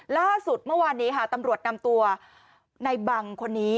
ล่าสุดเมื่อวานนี้ค่ะตำรวจนำตัวในบังคนนี้